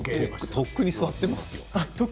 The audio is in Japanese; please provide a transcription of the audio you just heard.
とっくに座っていますよ。